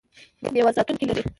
دیوال ساتونکي لري.